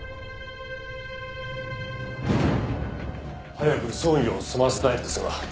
・早く葬儀を済ませたいんですが。